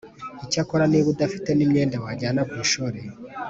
Icyakora niba uda te n imyenda wajyana ku ishuri